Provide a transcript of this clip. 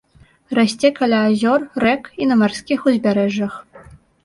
Расце каля азёр, рэк і на марскіх узбярэжжах.